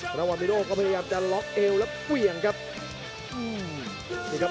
ซาด้าวันวิโรก็พยายามจะล็อกเอวและเปลี่ยงครับ